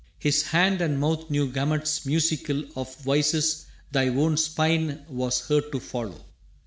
His hand and mouth knew gamuts musical Of vices thy worn spine was hurt to follow.